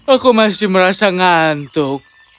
aku masih merasa ngantuk